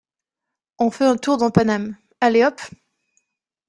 On fait un tour dans Paname, allez hop !